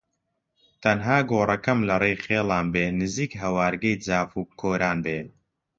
تەنها گۆڕەکەم لە ڕێی خیڵان بێ نزیک هەوارگەی جاف و کۆران بێ